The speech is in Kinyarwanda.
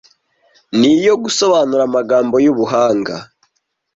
Ni iyo gusobanura amagambo y’ubuhanga